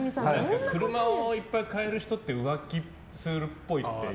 車をいっぱいかえる人って浮気するっぽいって。